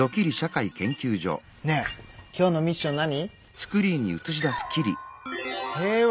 ねえ今日のミッション何？